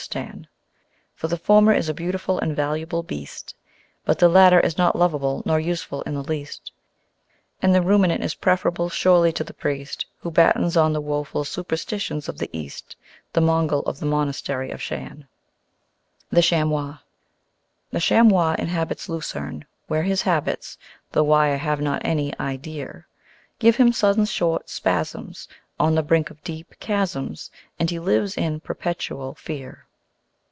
For the former is a beautiful and valuable beast, But the latter is not lovable nor useful in the least; And the Ruminant is preferable surely to the Priest Who battens on the woful superstitions of the East, The Mongol of the Monastery of Shan. The Chamois The Chamois inhabits Lucerne, where his habits (Though why I have not an idea r) Give him sudden short spasms On the brink of deep chasms, And he lives in perpetual fear.